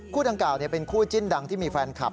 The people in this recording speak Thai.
ดังกล่าวเป็นคู่จิ้นดังที่มีแฟนคลับ